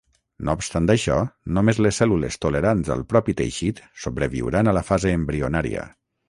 No obstant això, només les cèl·lules tolerants al propi teixit sobreviuran a la fase embrionària.